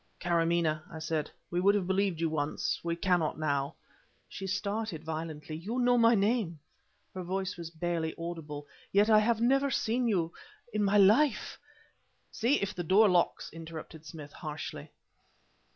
"Karamaneh" I said. "We would have believed you once. We cannot, now." She started violently. "You know my name!" Her voice was barely audible. "Yet I have never seen you in my life " "See if the door locks," interrupted Smith harshly.